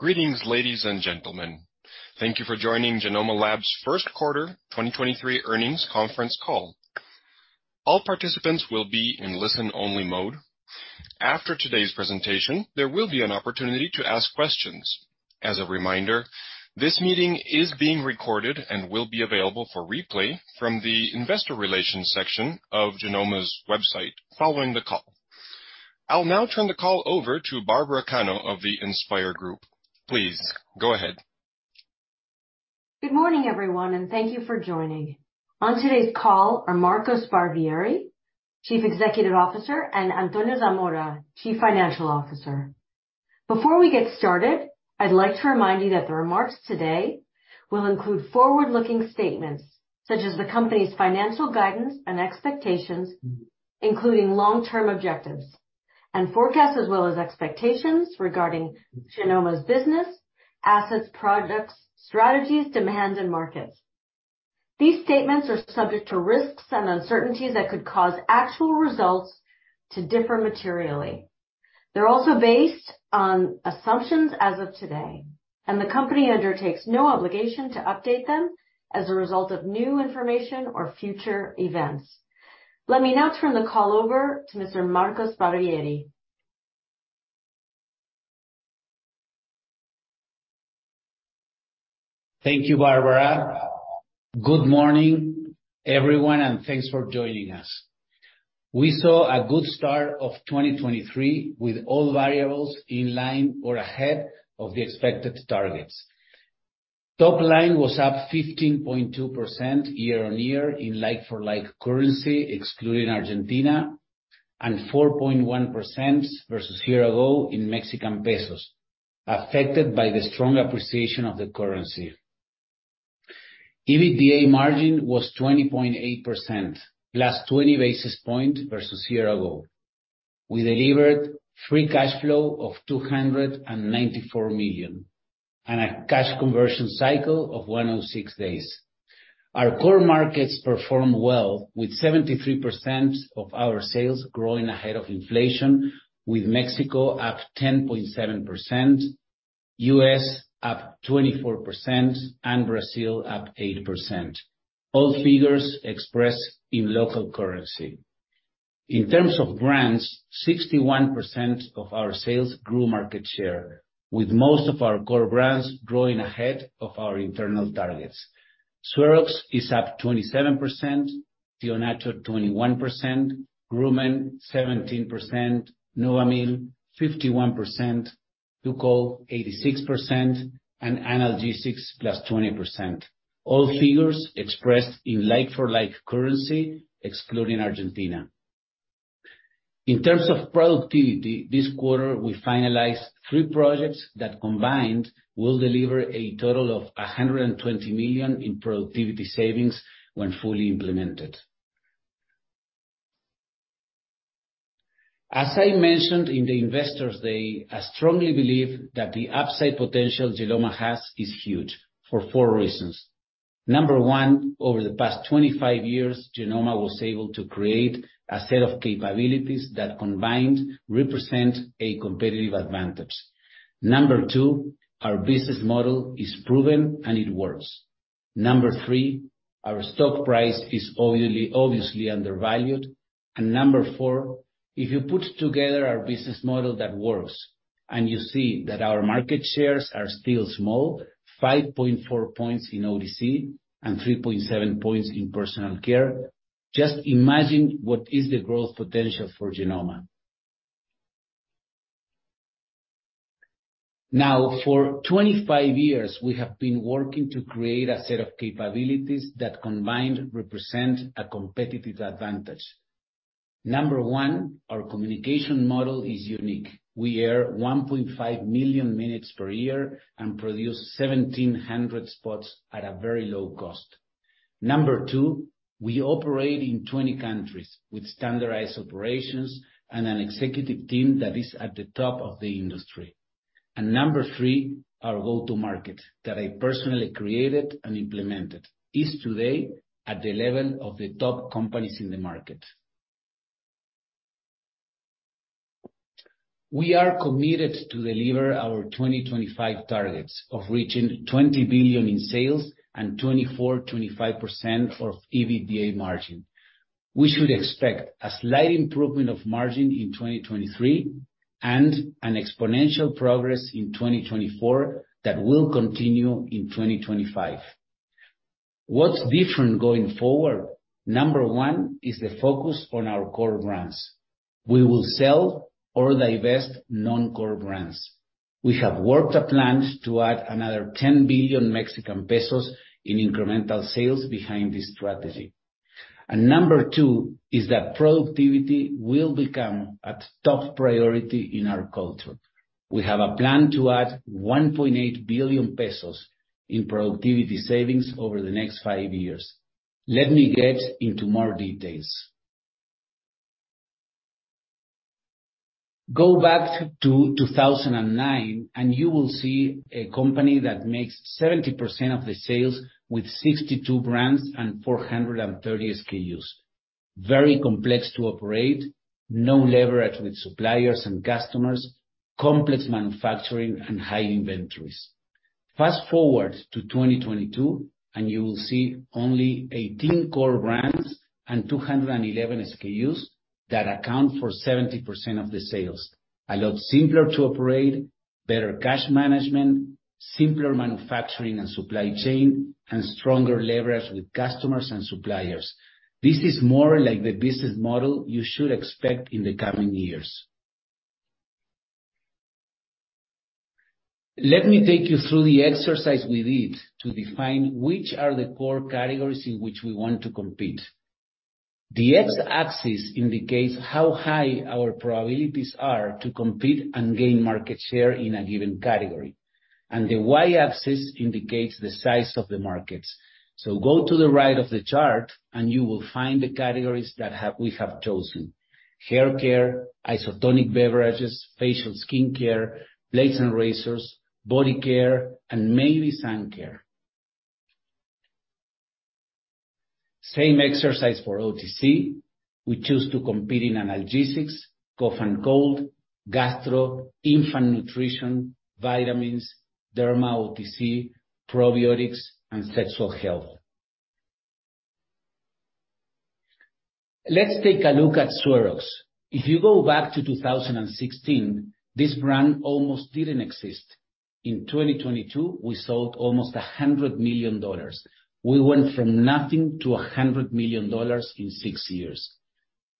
Greetings, ladies and gentlemen. Thank you for joining Genomma Lab's first quarter 2023 earnings conference call. All participants will be in listen-only mode. After today's presentation, there will be an opportunity to ask questions. As a reminder, this meeting is being recorded and will be available for replay from the investor relations section of Genomma's website following the call. I'll now turn the call over to Barbara Cano of the InspIR Group. Please go ahead. Good morning, everyone, and thank you for joining. On today's call are Marco Sparvieri, Chief Executive Officer, and Antonio Zamora, Chief Financial Officer. Before we get started, I'd like to remind you that the remarks today will include forward-looking statements such as the company's financial guidance and expectations, including long-term objectives and forecasts, as well as expectations regarding Genomma's business, assets, projects, strategies, demand, and markets. These statements are subject to risks and uncertainties that could cause actual results to differ materially. They're also based on assumptions as of today. The company undertakes no obligation to update them as a result of new information or future events. Let me now turn the call over to Mr. Marco Sparvieri. Thank you, Barbara. Good morning, everyone, and thanks for joining us. We saw a good start of 2023 with all variables in line or ahead of the expected targets. Top line was up 15.2% year-on-year in like-for-like currency, excluding Argentina, and 4.1% versus year ago in Mexican pesos, affected by the strong appreciation of the currency. EBITDA margin was 20.8%, +20 basis points versus year ago. We delivered free cash flow of 294 million and a cash conversion cycle of 106 days. Our core markets performed well with 73% of our sales growing ahead of inflation, with Mexico up 10.7%, U.S. up 24%, and Brazil up 8%. All figures expressed in local currency. In terms of brands, 61% of our sales grew market share, with most of our core brands growing ahead of our internal targets. SueroX is up 27%, Tío Nacho 21%, Groomen 17%, Novamil 51%, Tukol 86%, and Analgésicos +20%. All figures expressed in like-for-like currency, excluding Argentina. In terms of productivity, this quarter we finalized three projects that combined will deliver a total of 120 million in productivity savings when fully implemented. As I mentioned in the Investor Day, I strongly believe that the upside potential Genomma has is huge for four reasons. Number one, over the past 25 years, Genomma was able to create a set of capabilities that combined represent a competitive advantage. Number two, our business model is proven and it works. Number three, our stock price is obviously undervalued. Number four, if you put together a business model that works and you see that our market shares are still small, 5.4 points in OTC and 3.7 points in personal care, just imagine what is the growth potential for Genomma. For 25 years, we have been working to create a set of capabilities that combined represent a competitive advantage. Number one, our communication model is unique. We air 1.5 million minutes per year and produce 1,700 spots at a very low cost. Number two, we operate in 20 countries with standardized operations and an executive team that is at the top of the industry. Number three, our go-to-market that I personally created and implemented is today at the level of the top companies in the market. We are committed to deliver our 2025 targets of reaching 20 billion in sales and 24%-25% of EBITDA margin. We should expect a slight improvement of margin in 2023 and an exponential progress in 2024 that will continue in 2025. What's different going forward? Number one is the focus on our core brands. We will sell or divest non-core brands. We have worked at plans to add another 10 billion Mexican pesos in incremental sales behind this strategy. Number two is that productivity will become a top priority in our culture. We have a plan to add 1.8 billion pesos in productivity savings over the next five years. Let me get into more details. Go back to 2009 and you will see a company that makes 70% of the sales with 62 brands and 430 SKUs. Very complex to operate, no leverage with suppliers and customers, complex manufacturing and high inventories. Fast-forward to 2022, and you will see only 18 core brands and 211 SKUs that account for 70% of the sales. A lot simpler to operate, better cash management, simpler manufacturing and supply chain, and stronger leverage with customers and suppliers. This is more like the business model you should expect in the coming years. Let me take you through the exercise we did to define which are the core categories in which we want to compete. The X-axis indicates how high our probabilities are to compete and gain market share in a given category, and the Y-axis indicates the size of the markets. Go to the right of the chart, and you will find the categories that we have chosen. Hair care, isotonic beverages, facial skincare, blades and razors, body care, and maybe sun care. Same exercise for OTC. We choose to compete in analgesics, cough and cold, gastro, infant nutrition, vitamins, derma OTC, probiotics, and sexual health. Let's take a look at SueroX. If you go back to 2016, this brand almost didn't exist. In 2022, we sold almost $100 million. We went from nothing to $100 million in six years.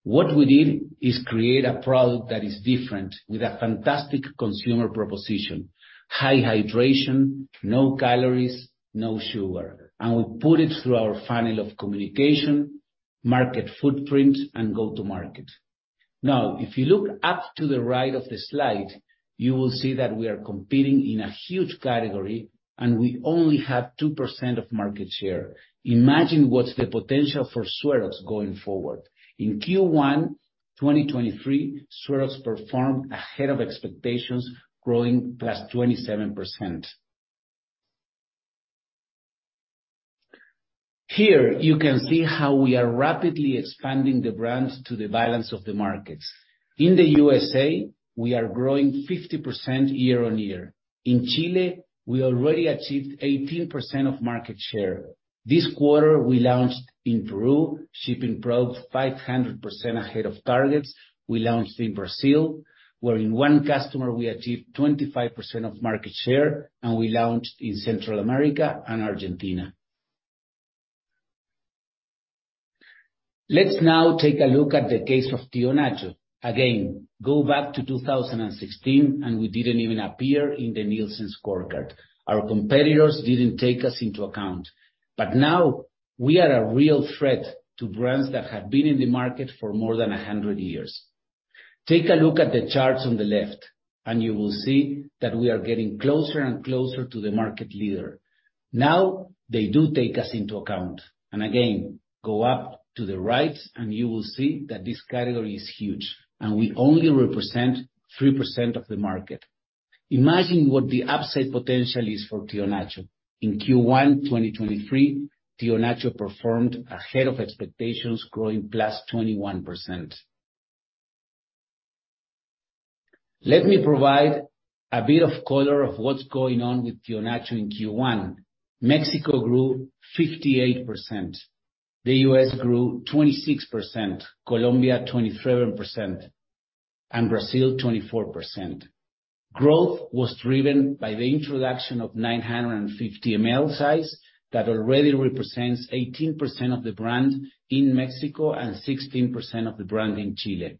What we did is create a product that is different with a fantastic consumer proposition, high hydration, no calories, no sugar, and we put it through our funnel of communication, market footprint, and go to market. If you look up to the right of the slide, you will see that we are competing in a huge category, and we only have 2% of market share. Imagine what's the potential for SueroX going forward. In Q1 2023, SueroX performed ahead of expectations, growing +27%. Here, you can see how we are rapidly expanding the brands to the balance of the markets. In the USA, we are growing 50% year-on-year. In Chile, we already achieved 18% of market share. This quarter, we launched in Peru, shipping product 500% ahead of targets. We launched in Brazil, where in one customer we achieved 25% of market share, and we launched in Central America and Argentina. Let's now take a look at the case of Tío Nacho. Again, go back to 2016, and we didn't even appear in the Nielsen scorecard. Our competitors didn't take us into account, but now we are a real threat to brands that have been in the market for more than 100 years. Take a look at the charts on the left, and you will see that we are getting closer and closer to the market leader. Now, they do take us into account, and again, go up to the right and you will see that this category is huge, and we only represent 3% of the market. Imagine what the upside potential is for Tío Nacho. In Q1 2023, Tío Nacho performed ahead of expectations, growing +21%. Let me provide a bit of color of what's going on with Tío Nacho in Q1. Mexico grew 58%, the U.S. grew 26%, Colombia 27%, and Brazil 24%. Growth was driven by the introduction of 950 ml size that already represents 18% of the brand in Mexico and 16% of the brand in Chile.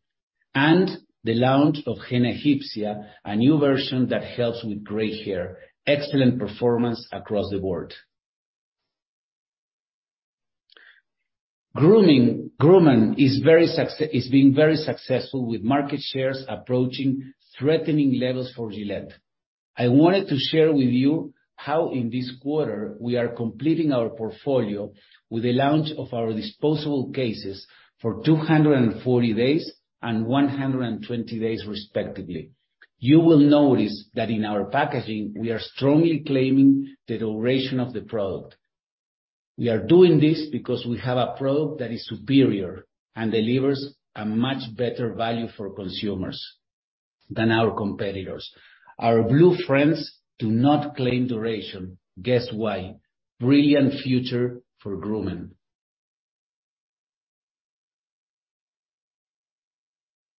And the launch of Henna Egipcia, a new version that helps with gray hair. Excellent performance across the board. Groomen is being very successful with market shares approaching threatening levels for Gillette. I wanted to share with you how in this quarter we are completing our portfolio with the launch of our disposable cases for 240 days and 120 days respectively. You will notice that in our packaging we are strongly claiming the duration of the product. We are doing this because we have a product that is superior and delivers a much better value for consumers than our competitors. Our blue friends do not claim duration. Guess why? Brilliant future for Groomen.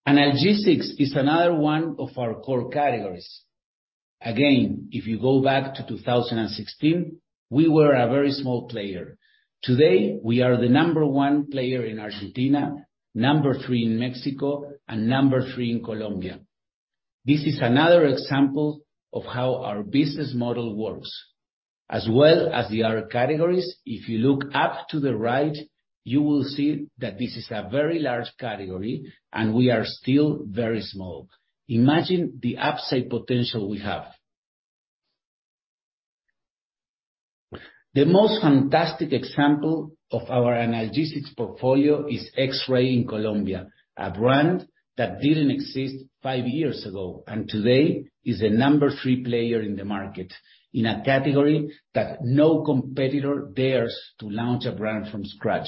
Analgesics is another one of our core categories. Again, if you go back to 2016, we were a very small player. Today, we are the number one player in Argentina, number three in Mexico, and number three in Colombia. This is another example of how our business model works as well as the other categories. If you look up to the right, you will see that this is a very large category, and we are still very small. Imagine the upside potential we have. The most fantastic example of our Analgésicos portfolio is X-Ray in Colombia, a brand that didn't exist five years ago, and today is the number three player in the market, in a category that no competitor dares to launch a brand from scratch. Up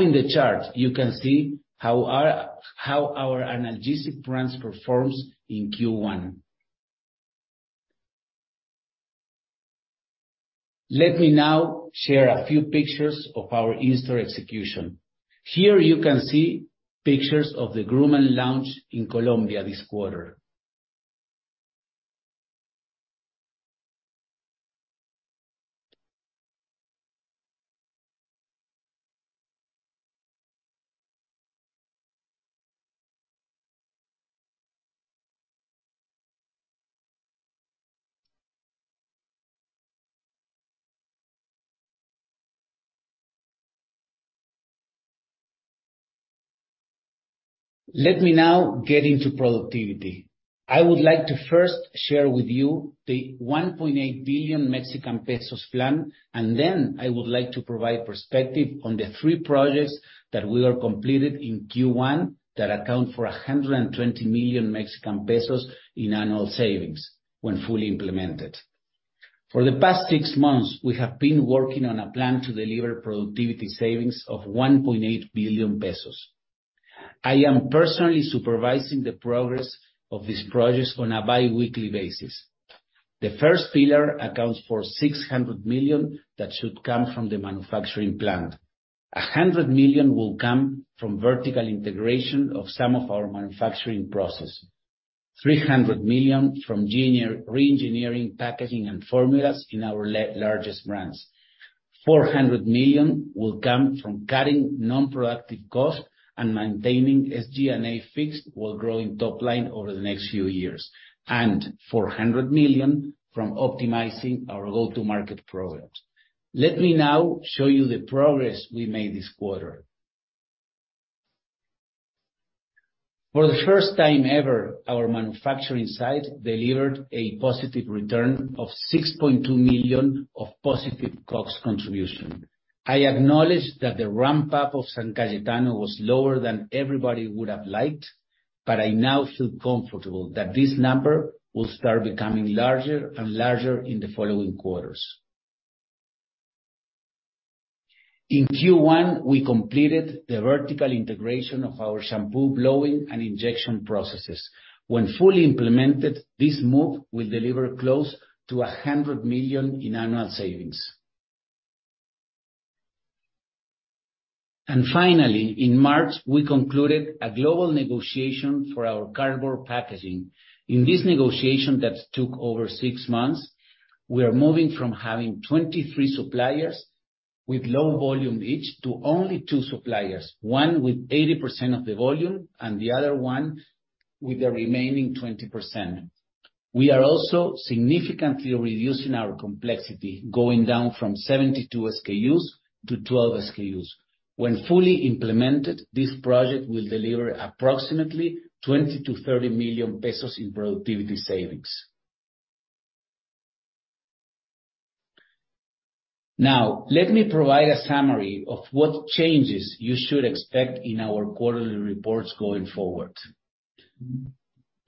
in the chart, you can see how our Analgésicos brands performs in Q1. Let me now share a few pictures of our in-store execution. Here you can see pictures of the Groomen launch in Colombia this quarter. Let me now get into productivity. I would like to first share with you the 1.8 billion Mexican pesos plan. Then I would like to provide perspective on the three projects that we are completed in Q1 that account for 120 million Mexican pesos in annual savings when fully implemented. For the past six months, we have been working on a plan to deliver productivity savings of 1.8 billion pesos. I am personally supervising the progress of these projects on a bi-weekly basis. The first pillar accounts for 600 million that should come from the manufacturing plant. 100 million will come from vertical integration of some of our manufacturing processes. 300 million from junior reengineering packaging and formulas in our largest brands. 400 million will come from cutting non-productive costs and maintaining SG&A fixed while growing top line over the next few years. Four hundred million from optimizing our go-to market programs. Let me now show you the progress we made this quarter. For the first time ever, our manufacturing site delivered a positive return of 6.2 million of positive cost contribution. I acknowledge that the ramp up of San Cayetano was lower than everybody would have liked, but I now feel comfortable that this number will start becoming larger and larger in the following quarters. In Q1, we completed the vertical integration of our shampoo blowing and injection processes. When fully implemented, this move will deliver close to 100 million in annual savings. Finally, in March, we concluded a global negotiation for our cardboard packaging. In this negotiation that took over six months, we are moving from having 23 suppliers with low volume each to only two suppliers. One with 80% of the volume and the other one with the remaining 20%. We are also significantly reducing our complexity, going down from 72 SKUs to 12 SKUs. When fully implemented, this project will deliver approximately 20 million-30 million pesos in productivity savings. Now, let me provide a summary of what changes you should expect in our quarterly reports going forward.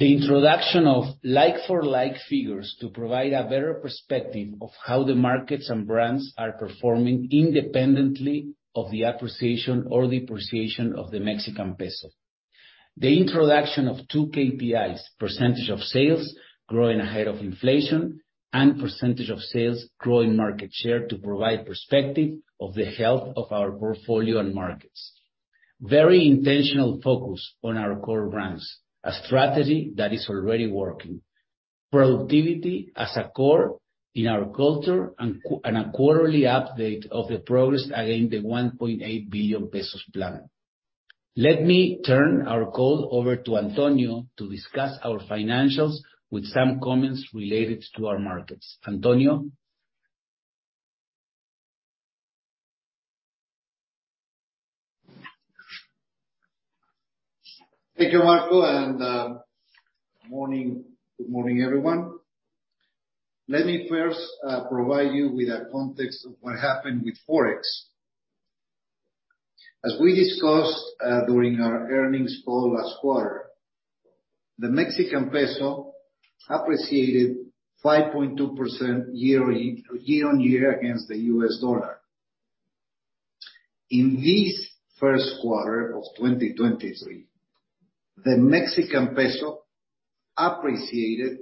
The introduction of like-for-like figures to provide a better perspective of how the markets and brands are performing independently of the appreciation or depreciation of the Mexican peso. The introduction of two KPIs, percentage of sales growing ahead of inflation and percentage of sales growing market share to provide perspective of the health of our portfolio and markets. Very intentional focus on our core brands, a strategy that is already working. Productivity as a core in our culture and a quarterly update of the progress against the 1.8 billion pesos plan. Let me turn our call over to Antonio to discuss our financials with some comments related to our markets. Antonio? Thank you, Marco, good morning, everyone. Let me first provide you with a context of what happened with Forex. As we discussed during our earnings call last quarter, the Mexican peso appreciated 5.2% yearly, year-on-year against the U.S. dollar. In this first quarter of 2023, the Mexican peso appreciated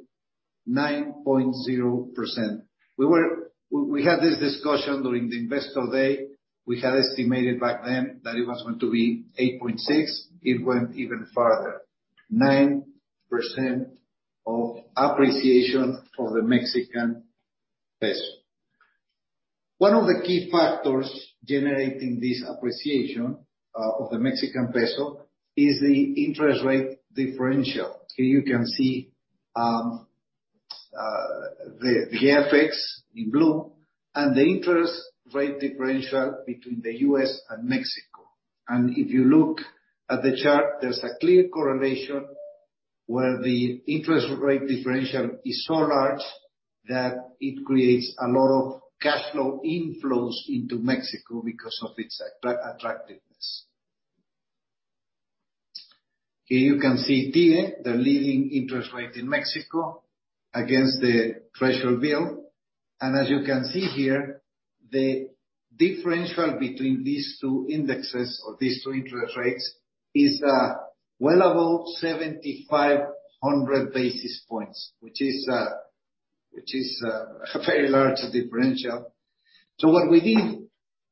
9.0%. We had this discussion during the investor day. We had estimated back then that it was going to be 8.6%. It went even farther. 9% of appreciation of the Mexican peso. One of the key factors generating this appreciation of the Mexican peso is the interest rate differential. Here you can see the FX in blue and the interest rate differential between the U.S. and Mexico. If you look at the chart, there's a clear correlation. Where the interest rate differential is so large that it creates a lot of cash flow inflows into Mexico because of its attractiveness. Here you can see TIIE, the leading interest rate in Mexico against the Treasury bill. As you can see here, the differential between these two indexes or these two interest rates is well above 7,500 basis points, which is a very large differential. What we did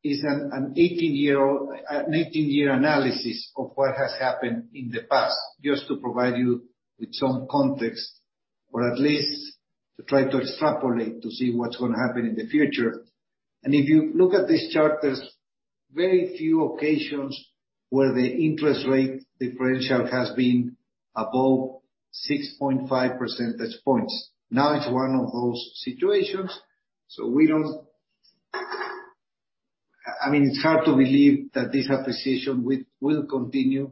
is an 18-year analysis of what has happened in the past, just to provide you with some context or at least to try to extrapolate to see what's gonna happen in the future. If you look at this chart, there's very few occasions where the interest rate differential has been above 6.5 percentage points. I mean, it's hard to believe that this appreciation will continue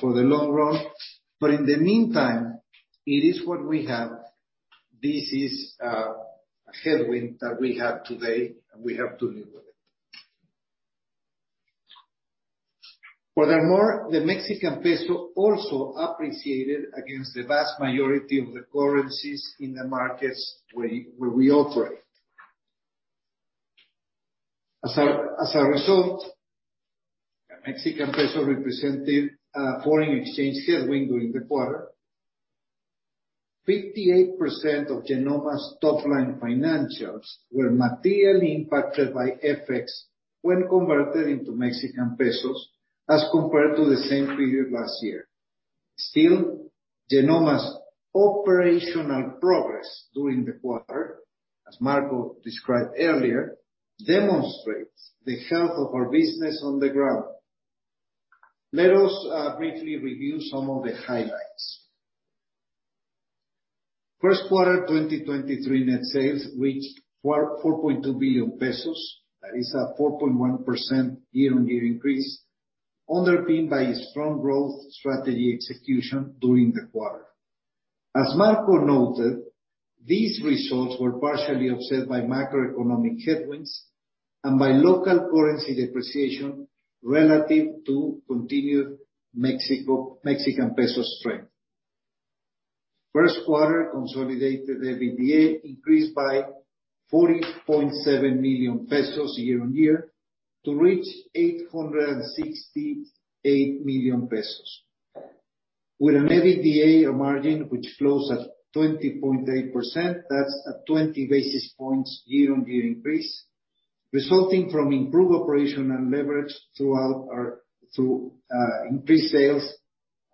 for the long run. In the meantime, it is what we have. This is a headwind that we have today, and we have to live with it. Furthermore, the Mexican peso also appreciated against the vast majority of the currencies in the markets where we operate. As a result, the Mexican peso represented a foreign exchange headwind during the quarter. 58% of Genomma's top line financials were materially impacted by FX when converted into Mexican pesos as compared to the same period last year. Still, Genomma's operational progress during the quarter, as Marco described earlier, demonstrates the health of our business on the ground. Let us briefly review some of the highlights. First quarter 2023 net sales reached 4.2 billion pesos. That is a 4.1% year-on-year increase, underpinned by a strong growth strategy execution during the quarter. As Marco noted, these results were partially offset by macroeconomic headwinds and by local currency depreciation relative to continued Mexican peso strength. First quarter consolidated EBITDA increased by 40.7 million pesos year-on-year to reach 868 million pesos with an EBITDA margin which closed at 20.8%. That's a 20 basis points year-on-year increase, resulting from improved operational leverage throughout our through increased sales,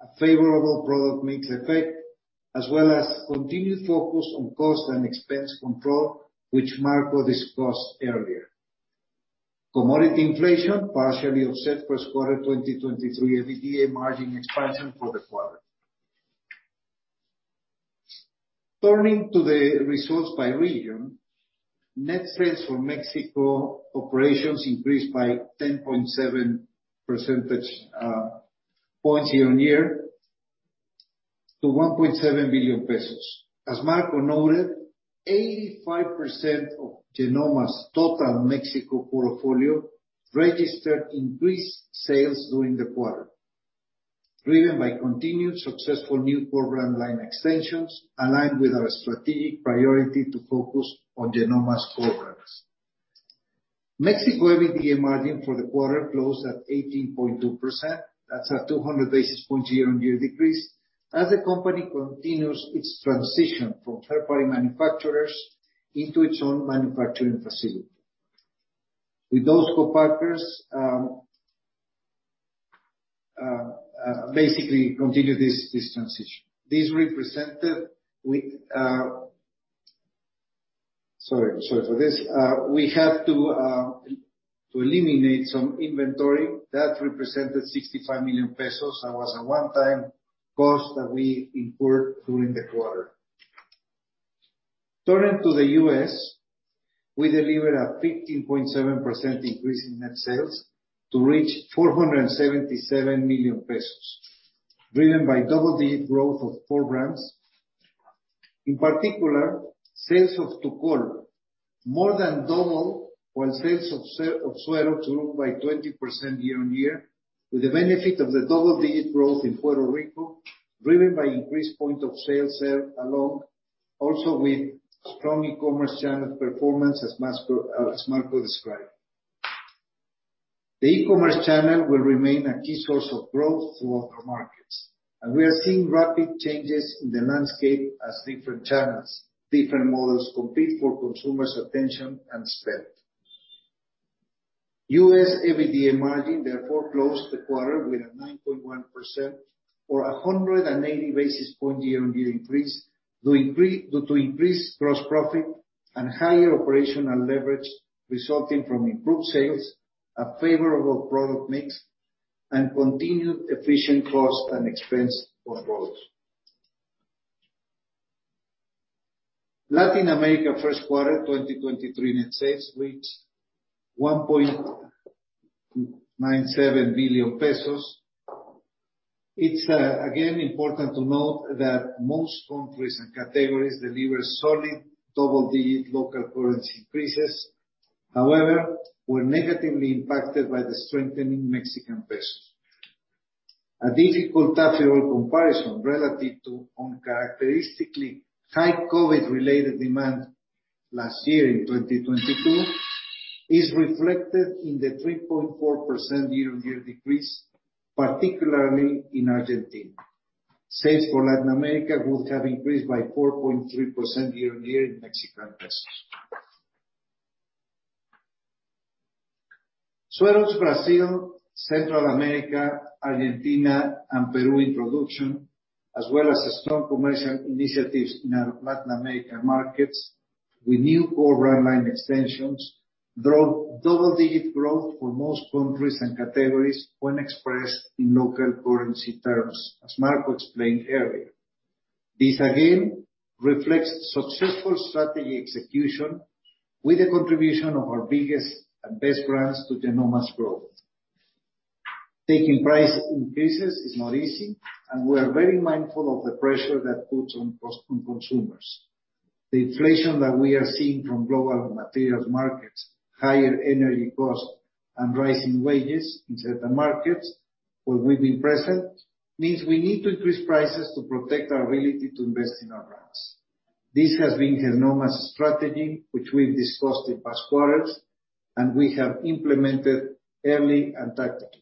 a favorable product mix effect, as well as continued focus on cost and expense control, which Marco discussed earlier. Commodity inflation partially offset First quarter 2023 EBITDA margin expansion for the quarter. Turning to the results by region, net sales for Mexico operations increased by 10.7 percentage points year-on-year to 1.7 billion pesos. As Marco noted, 85% of Genomma's total Mexico portfolio registered increased sales during the quarter, driven by continued successful new program line extensions aligned with our strategic priority to focus on Genomma's core brands. Mexico EBITDA margin for the quarter closed at 18.2%. That's a 200 basis point year-on-year decrease as the company continues its transition from third-party manufacturers into its own manufacturing facility. With those co-partners, basically continue this transition. This represented with. Sorry for this. We have to eliminate some inventory. That represented 65 million pesos. That was a one-time cost that we incurred during the quarter. Turning to the U.S., we delivered a 15.7% increase in net sales to reach 477 million pesos, driven by double-digit growth of programs. In particular, sales of Tukol more than doubled, while sales of SueroX grew by 20% year-over-year with the benefit of the double-digit growth in Puerto Rico, driven by increased point of sale there along, also with strong e-commerce channel performance, as Marco described. The e-commerce channel will remain a key source of growth for all our markets. We are seeing rapid changes in the landscape as different channels, different models compete for consumers' attention and spend. U.S. EBITDA margin therefore closed the quarter with a 9.1% or 180 basis point year-on-year increase due to increased gross profit and higher operational leverage resulting from improved sales, a favorable product mix, and continued efficient cost and expense controls. Latin America first quarter 2023 net sales reached MXN 1.97 billion. It's again important to note that most countries and categories deliver solid double-digit local currency increases. However, were negatively impacted by the strengthening Mexican pesos. A difficult comparable comparison relative to uncharacteristically high COVID-related demand last year in 2022 is reflected in the 3.4% year-on-year decrease, particularly in Argentina. Sales for Latin America would have increased by 4.3% year-on-year in Mexican pesos. Sales Brazil, Central America, Argentina, and Peru introduction, as well as the strong commercial initiatives in our Latin America markets with new core brand line extensions, drove double-digit growth for most countries and categories when expressed in local currency terms, as Marco explained earlier. This again reflects successful strategy execution with the contribution of our biggest and best brands to the enormous growth. Taking price increases is not easy, and we are very mindful of the pressure that puts on consumers. The inflation that we are seeing from global materials markets, higher energy costs, and rising wages in certain markets where we've been present, means we need to increase prices to protect our ability to invest in our brands. This has been Genomma's strategy, which we've discussed in past quarters, and we have implemented early and tactically.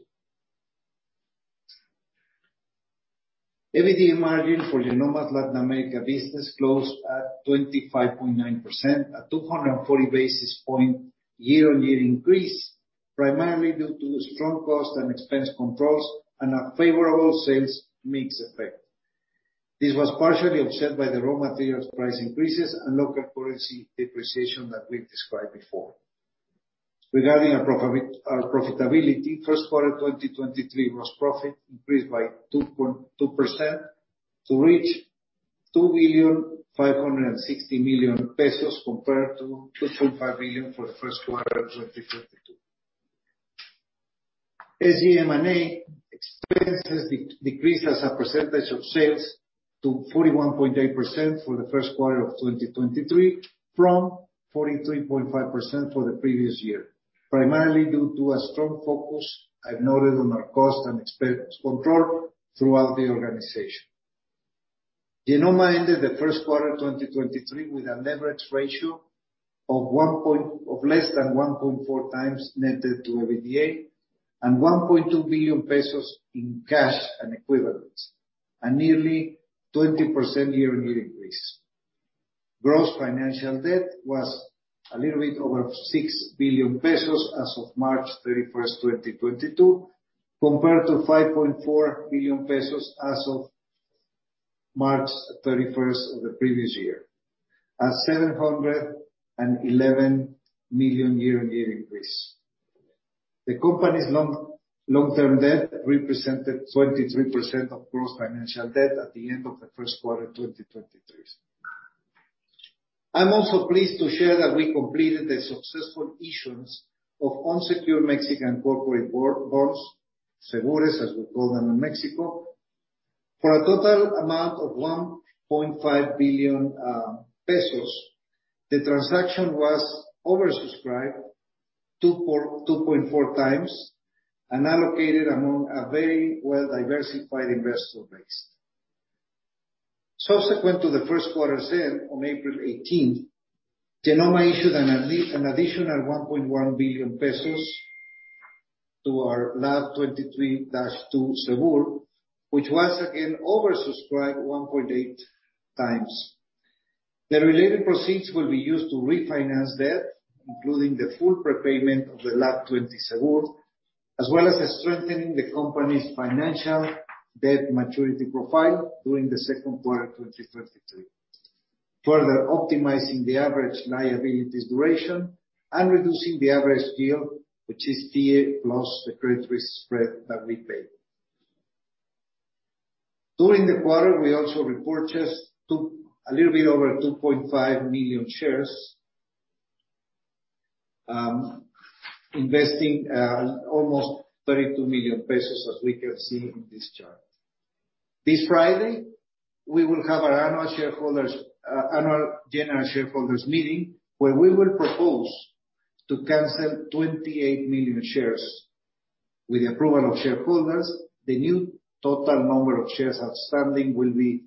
EBITDA margin for Genomma's Latin America business closed at 25.9% at 240 basis point year-on-year increase, primarily due to the strong cost and expense controls and a favorable sales mix effect. This was partially offset by the raw materials price increases and local currency depreciation that we've described before. Regarding our profitability, first quarter 2023 gross profit increased by 2.2% to reach 2.56 billion compared to 2.5 billion for the first quarter of 2022. SG&A expenses decreased as a percentage of sales to 41.8% for the first quarter of 2023 from 43.5% for the previous year, primarily due to a strong focus and noted on our cost and expense control throughout the organization. Genomma ended the first quarter 2023 with a leverage ratio of less than 1.4x net debt to EBITDA and 1.2 billion pesos in cash and equivalents, a nearly 20% year-on-year increase. Gross financial debt was a little bit over 6 billion pesos as of March 31, 2022, compared to 5.4 billion pesos as of March 31 of the previous year, a 711 million year-on-year increase. The company's long-term debt represented 23% of gross financial debt at the end of the first quarter 2023. I'm also pleased to share that we completed the successful issuance of unsecured Mexican corporate bonds, Cebures, as we call them in Mexico, for a total amount of 1.5 billion pesos. The transaction was oversubscribed 2.4x and allocated among a very well-diversified investor base. Subsequent to the first quarter's end on April 18th, Genomma Lab issued an additional 1.1 billion pesos to our LAB 23-2 Cebur, which was again oversubscribed 1.8x. The related proceeds will be used to refinance debt, including the full prepayment of the LAB-20 Cebur, as well as strengthening the company's financial debt maturity profile during the second quarter 2023. Further optimizing the average liabilities duration and reducing the average yield, which is TA plus the credit risk spread that we pay. During the quarter, we also repurchased a little bit over 2.5 million shares, investing almost 32 million pesos as we can see in this chart. This Friday, we will have our annual general shareholders meeting, where we will propose to cancel 28 million shares. With the approval of shareholders, the new total number of shares outstanding will be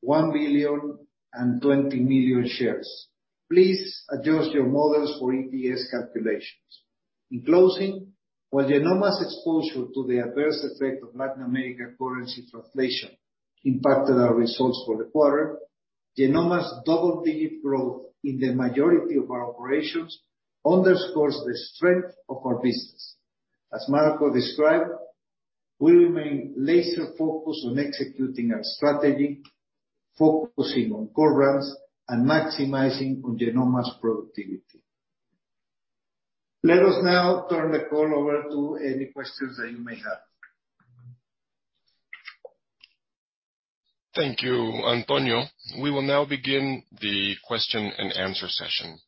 1 million and 20 million shares. Please adjust your models for EPS calculations. While Genomma's exposure to the adverse effect of Latin America currency translation impacted our results for the quarter, Genomma's double-digit growth in the majority of our operations underscores the strength of our business. As Marco described, we remain laser-focused on executing our strategy, focusing on core brands, and maximizing on Genomma's productivity. Let us now turn the call over to any questions that you may have. Thank you, Antonio. We will now begin the question and answer session.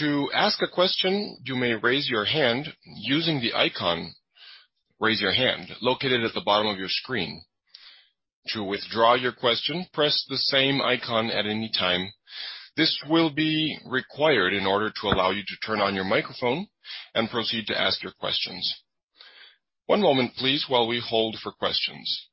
To ask a question, you may raise your hand using the icon, Raise Your Hand, located at the bottom of your screen. To withdraw your question, press the same icon at any time. This will be required in order to allow you to turn on your microphone and proceed to ask your questions. One moment please while we hold for questions.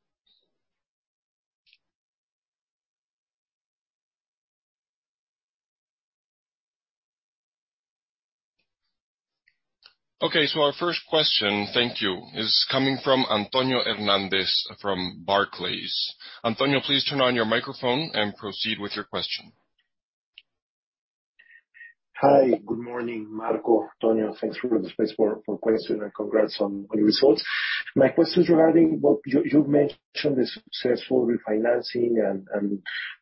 Our first question, thank you, is coming from Antonio Hernandez from Barclays. Antonio, please turn on your microphone and proceed with your question. Hi. Good morning, Marco, Antonio. Thanks for the space for question, and congrats on the results. My question is regarding what you mentioned the successful refinancing and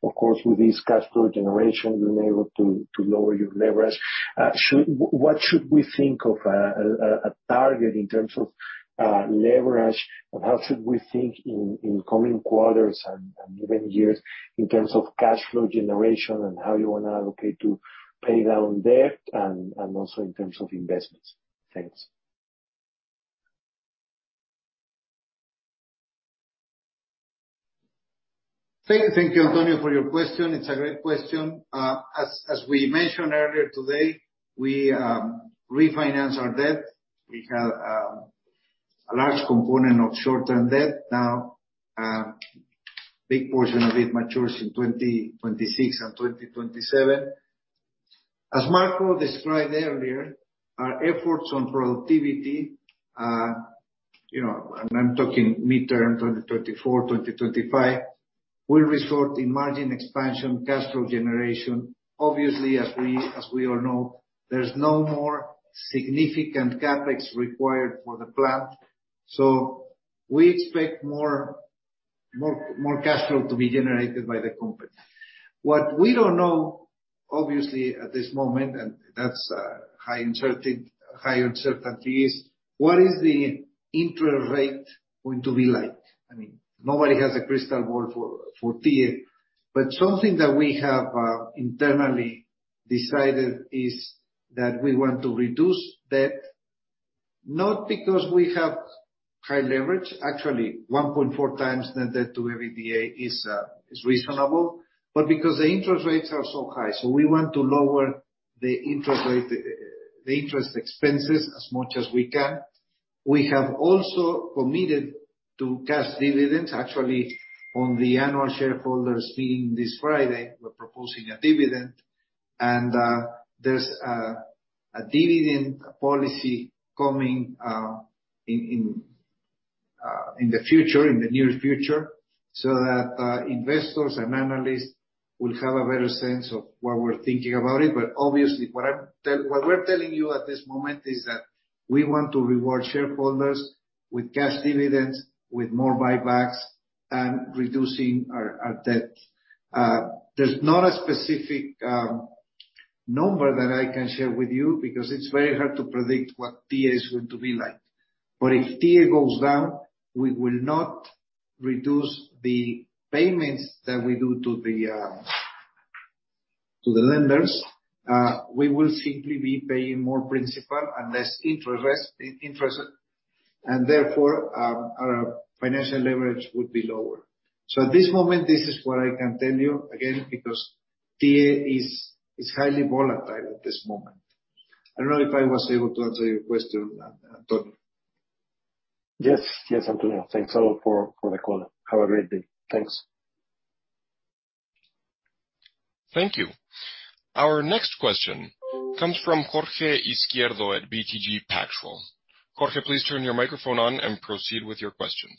of course, with this cash flow generation, you're now able to lower your leverage. What should we think of a target in terms of leverage? How should we think in coming quarters and even years in terms of cash flow generation and how you wanna allocate to pay down debt and also in terms of investments? Thanks. Thank you. Thank you, Antonio, for your question. It's a great question. As we mentioned earlier today, we refinance our debt. We have a large component of short-term debt now. Big portion of it matures in 2026 and 2027. As Marco described earlier, our efforts on productivity, you know, I'm talking midterm, 2024, 2025, will result in margin expansion, cash flow generation. Obviously, as we all know, there's no more significant CapEx required for the plant, we expect more cash flow to be generated by the company. What we don't know, obviously, at this moment, that's high uncertainty, is what is the interest rate going to be like? I mean, nobody has a crystal ball for TIIE. Something that we have internally decided is that we want to reduce debt, not because we have high leverage, actually 1.4x net debt to EBITDA is reasonable, but because the interest rates are so high. We want to lower the interest rate, the interest expenses as much as we can. We have also committed to cash dividends. Actually, on the annual shareholders meeting this Friday, we're proposing a dividend. There's a dividend policy coming in the future, in the near future, so that investors and analysts will have a better sense of what we're thinking about it. Obviously, what we're telling you at this moment is that we want to reward shareholders with cash dividends, with more buybacks, and reducing our debt. There's not a specific number that I can share with you because it's very hard to predict what TIIE is going to be like. If TIIE goes down, we will not reduce the payments that we do to the lenders. We will simply be paying more principal and less interest, and therefore, our financial leverage would be lower. At this moment, this is what I can tell you, again, because TIIE is highly volatile at this moment. I don't know if I was able to answer your question, Antonio. Yes. Yes, Antonio. Thanks a lot for the call. Have a great day. Thanks. Thank you. Our next question comes from Jorge Izquierdo at BTG Pactual. Jorge, please turn your microphone on and proceed with your question.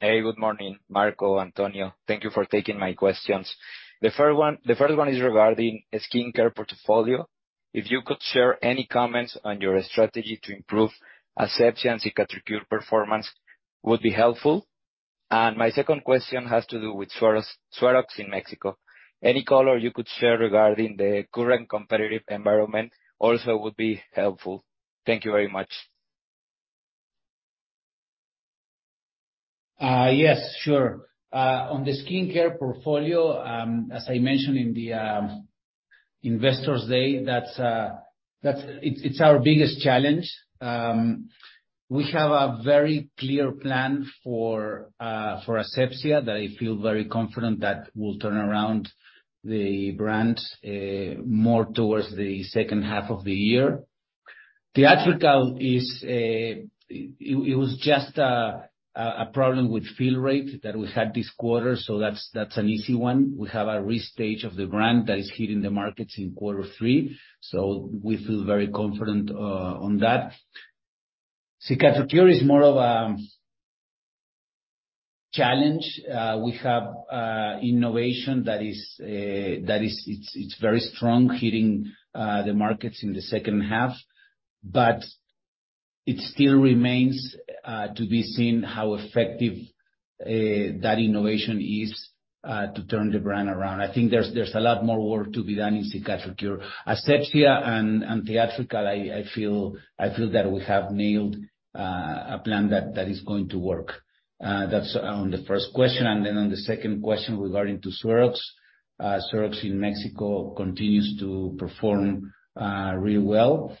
Good morning, Marco, Antonio. Thank you for taking my questions. The first one is regarding skincare portfolio. If you could share any comments on your strategy to improve Asepxia and Cicatricure performance would be helpful. My second question has to do with SueroX in Mexico. Any color you could share regarding the current competitive environment also would be helpful. Thank you very much. Yes, sure. On the skincare portfolio, as I mentioned in the Investors Day, it's our biggest challenge. We have a very clear plan for Asepxia that I feel very confident that will turn around the brand more towards the second half of the year. Teatrical is, it was just a problem with a fill rate that we had this quarter, so that's an easy one. We have a restage of the brand that is hitting the markets in quarter three, so we feel very confident on that. Cicatricure is more of a challenge. We have innovation that is very strong, hitting the markets in the second half, but it still remains to be seen how effective that innovation isUh, to turn the brand around. I think there's a lot more work to be done in Cicatricure. Asepxia and Teatrical, I feel that we have nailed a plan that is going to work. That's on the first question. Then on the second question regarding to SueroX. SueroX in Mexico continues to perform really well.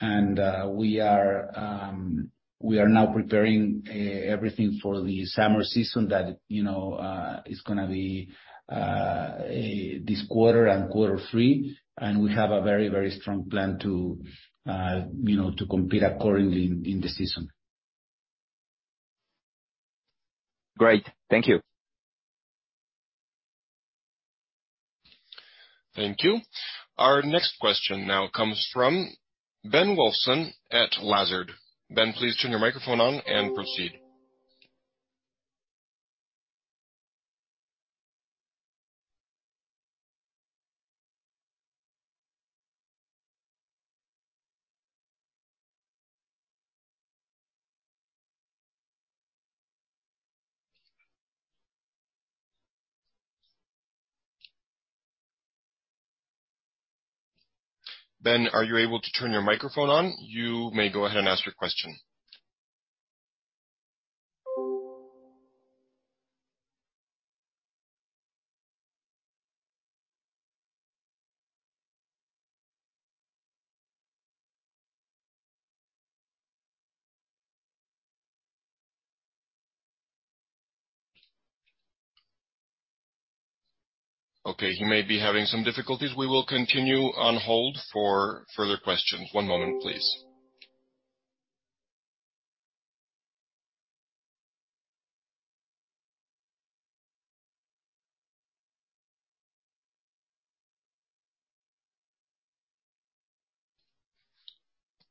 We are now preparing everything for the summer season that, you know, is gonna be this quarter and quarter three. We have a very, very strong plan to, you know, to compete accordingly in the season. Great. Thank you. Thank you. Our next question now comes from Ben Wulfsohn at Lazard. Ben, please turn your microphone on and proceed. Ben, are you able to turn your microphone on? You may go ahead and ask your question. Okay, he may be having some difficulties. We will continue on hold for further questions. One moment, please.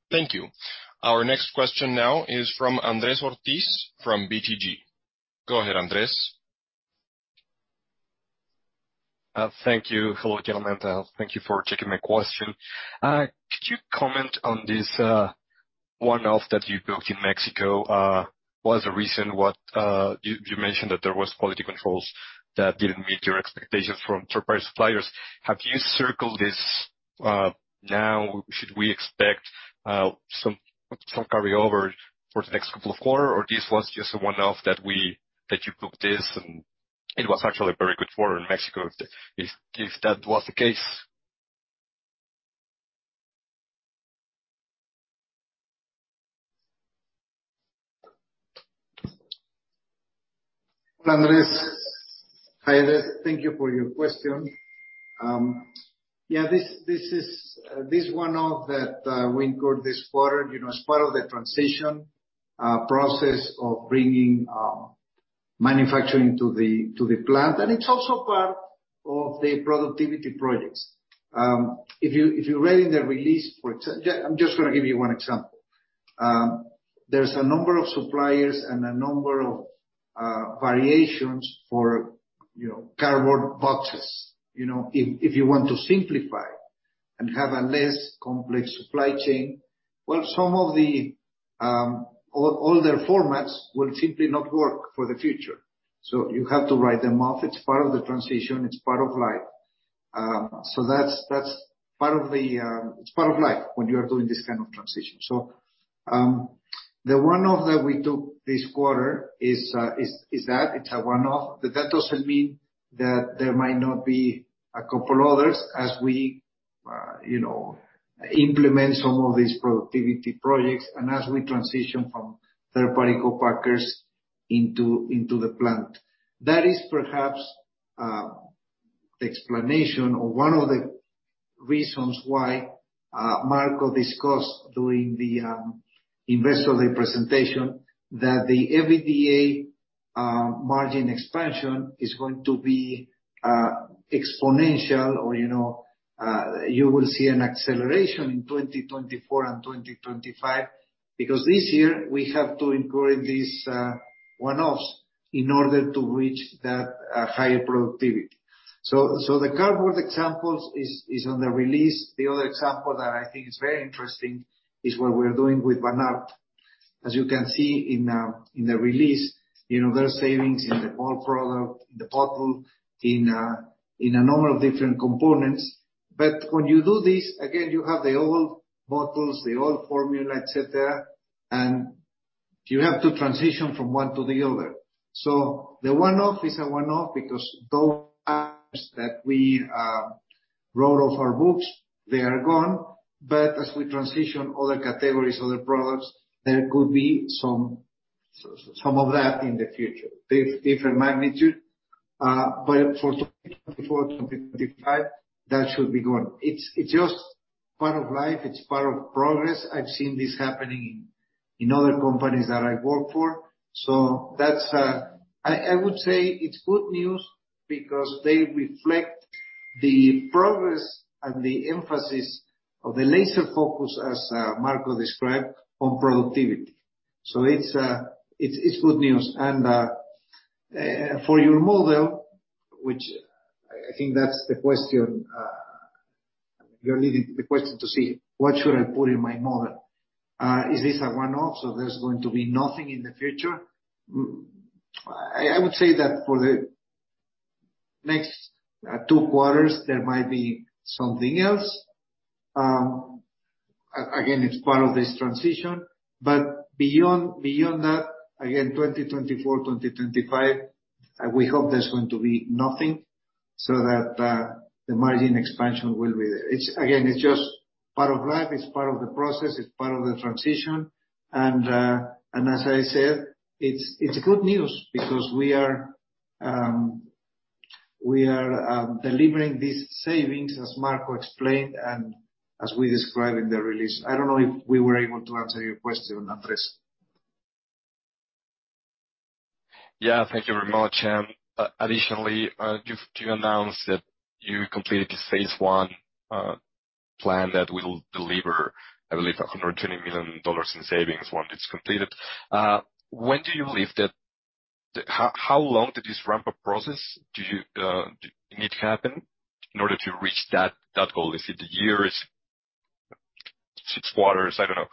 Thank you. Our next question now is from Andrés Ortiz from BTG. Go ahead, Andrés. Thank you. Hello, gentlemen. Thank you for taking my question. Could you comment on this one-off that you booked in Mexico? What is the reason what you mentioned that there was quality controls that didn't meet your expectations from third-party suppliers. Have you circled this now? Should we expect some carryover for the next couple of quarter, or this was just a one-off that you booked this, and it was actually a very good quarter in Mexico if that was the case? Andrés, hi there. Thank you for your question. Yeah, this is one-off that we incurred this quarter, you know, as part of the transition process of bringing manufacturing to the plant, it's also part of the productivity projects. If you read in the release, I'm just gonna give you one example. There's a number of suppliers and a number of variations for, you know, cardboard boxes. You know, if you want to simplify and have a less complex supply chain, well, some of the all their formats will simply not work for the future. You have to write them off. It's part of the transition. It's part of life. That's part of the, it's part of life when you are doing this kind of transition. The one-off that we took this quarter is that. It's a one-off. That doesn't mean that there might not be a couple others as we, you know, implement some of these productivity projects and as we transition from third-party co-packers into the plant. That is perhaps the explanation or one of the reasons why Marco discussed during the investor day presentation that the EBITDA margin expansion is going to be exponential or, you know, you will see an acceleration in 2024 and 2025 because this year we have to incur in these one-offs in order to reach that higher productivity. The cardboard example is on the release. The other example that I think is very interesting is what we're doing with Vanart. As you can see in the release, you know, there are savings in the whole product, in the bottle, in a number of different components. When you do this, again, you have the old bottles, the old formula, et cetera, and you have to transition from one to the other. The one-off is a one-off because those items that we wrote off our books, they are gone. As we transition other categories, other products, there could be some of that in the future. Different magnitude, but for 2024, 2025, that should be gone. It's just part of life. It's part of progress. I've seen this happening in other companies that I've worked for. That's. I would say it's good news because they reflect the progress and the emphasis of the laser focus, as Marco described, on productivity. It's good news. For your model, which I think that's the question. You're leading to the question to see what should I put in my model? Is this a one-off, so there's going to be nothing in the future? I would say that for the next two quarters, there might be something else. Again, it's part of this transition, but beyond that, again, 2024, 2025, we hope there's going to be nothing so that the margin expansion will be there. Again, it's just part of life, it's part of the process, it's part of the transition. As I said, it's good news because we are delivering these savings, as Marco explained and as we described in the release. I don't know if we were able to answer your question, Andrés. Yeah. Thank you very much. Additionally, you announced that you completed the phase 1 plan that will deliver, I believe, $100 million in savings once it's completed. When do you believe that. How long did this ramp-up process do you need to happen in order to reach that goal? Is it years? Six quarters? I don't know.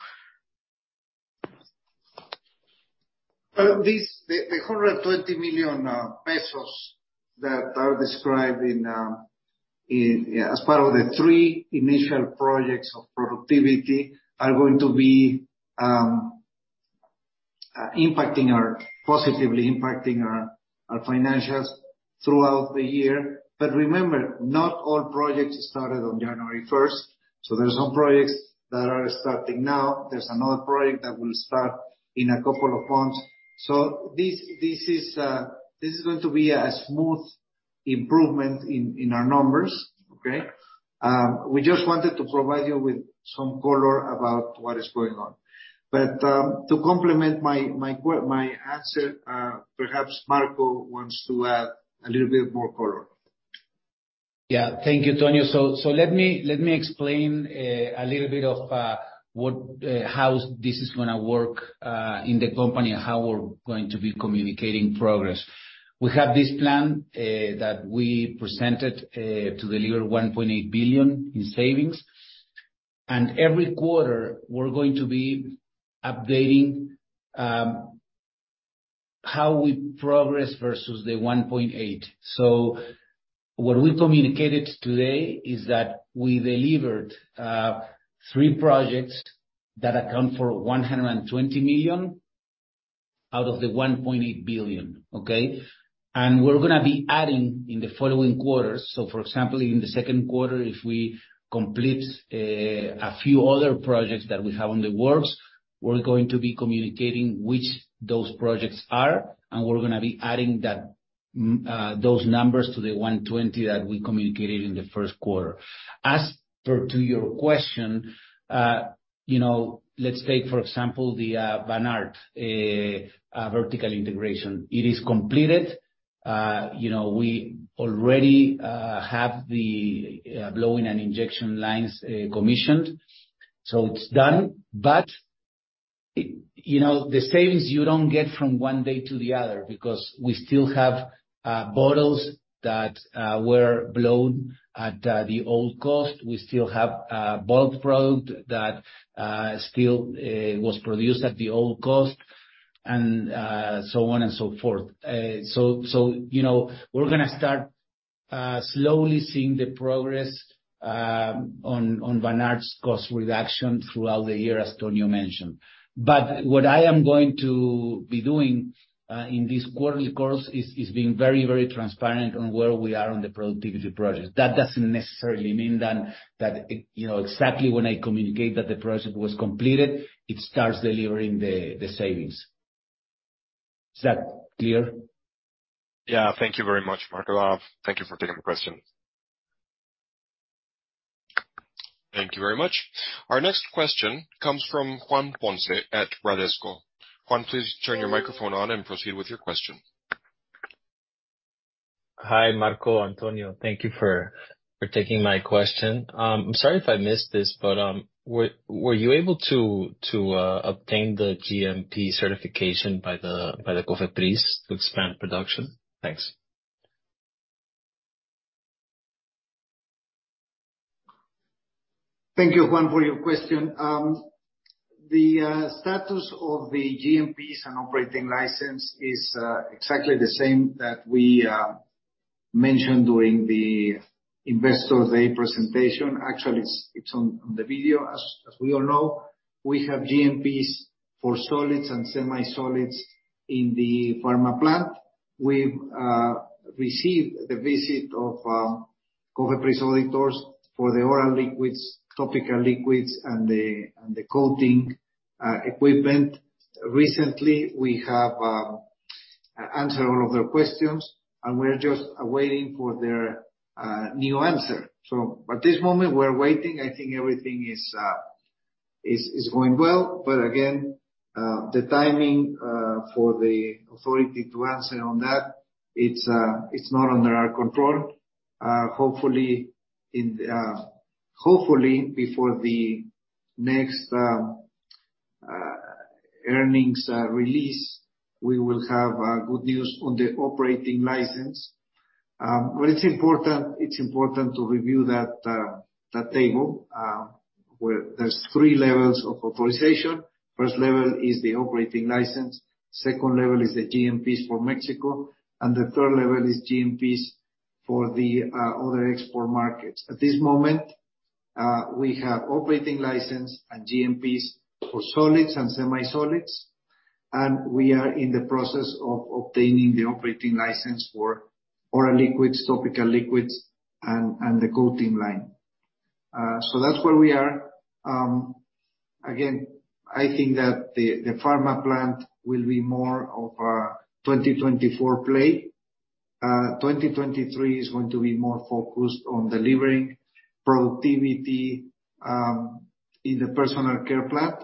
The 120 million pesos that are described As part of the three initial projects of productivity are going to be positively impacting our financials throughout the year. Remember, not all projects started on January 1st, there are some projects that are starting now. There's another project that will start in a couple of months. This is going to be a smooth improvement in our numbers. Okay? We just wanted to provide you with some color about what is going on. To complement my answer, perhaps Marco wants to add a little bit more color. Thank you, Tonio. Let me explain a little bit of what, how this is going to work in the company and how we're going to be communicating progress. We have this plan that we presented to deliver 1.8 billion in savings. Every quarter, we're going to be updating how we progress versus the 1.8 billion. What we communicated today is that we delivered three projects that account for 120 million out of the 1.8 billion. Okay. We're gonna be adding in the following quarters. For example, in the second quarter, if we complete a few other projects that we have in the works, we're going to be communicating which those projects are, and we're gonna be adding that those numbers to the 120 that we communicated in the first quarter. Per to your question, you know, let's take, for example, the Vanart vertical integration. It is completed. You know, we already have the blowing and injection lines commissioned. It's done. You know, the savings you don't get from one day to the other because we still have bottles that were blown at the old cost. We still have bulk product that still was produced at the old cost and so on and so forth. You know, we're going to start slowly seeing the progress on Vanart's cost reduction throughout the year, as Tonio mentioned. What I am going to be doing in this quarterly course is being very, very transparent on where we are on the productivity projects. That doesn't necessarily mean then that, you know, exactly when I communicate that the project was completed, it starts delivering the savings. Is that clear? Yeah. Thank you very much, Marco. Thank you for taking the question. Thank you very much. Our next question comes from Juan Ponce at Bradesco. Juan, please turn your microphone on and proceed with your question. Hi, Marco, Antonio. Thank you for taking my question. I'm sorry if I missed this, but were you able to obtain the GMP certification by the Cofepris to expand production? Thanks. Thank you, Juan, for your question. The status of the GMPs and operating license is exactly the same that we mentioned during the Investors Day presentation. Actually, it's on the video. As we all know, we have GMPs for solids and semi-solids in the pharma plant. We've received the visit of Cofepris auditors for the oral liquids, topical liquids and the coating equipment. Recently, we have answered all of their questions. We're just waiting for their new answer. At this moment, we're waiting. I think everything is going well. Again, the timing for the authority to answer on that, it's not under our control. Hopefully, hopefully before the next earnings release, we will have good news on the operating license. It's important to review that table where there's three levels of authorization. First level is the operating license, second level is the GMPs for Mexico, and the third level is GMPs for the other export markets. At this moment, we have operating license and GMPs for solids and semi-solids, and we are in the process of obtaining the operating license for oral liquids, topical liquids, and the coating line. That's where we are. Again, I think that the pharma plant will be more of a 2024 play. 2023 is going to be more focused on delivering productivity in the personal care plant.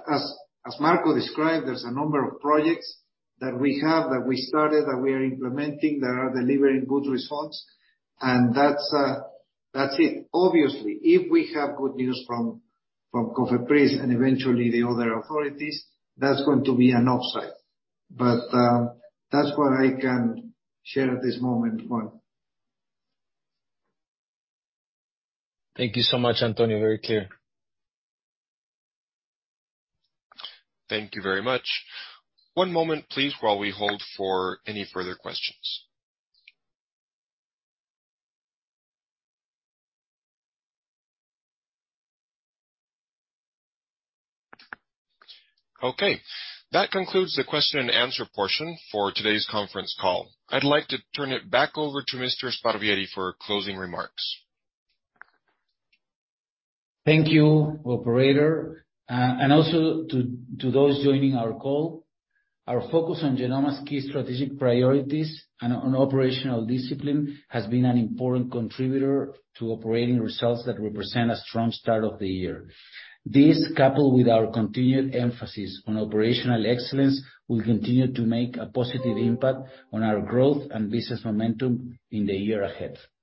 As Marco described, there's a number of projects that we have, that we started, that we are implementing, that are delivering good results and that's it. If we have good news from COFEPRIS and eventually the other authorities, that's going to be an upside. That's what I can share at this moment, Juan. Thank you so much, Antonio. Very clear. Thank you very much. One moment please, while we hold for any further questions. Okay. That concludes the question and answer portion for today's conference call. I'd like to turn it back over to Mr. Sparvieri for closing remarks. Thank you, operator. Also to those joining our call, our focus on Genomma's key strategic priorities and on operational discipline has been an important contributor to operating results that represent a strong start of the year. This, coupled with our continued emphasis on operational excellence, will continue to make a positive impact on our growth and business momentum in the year ahead.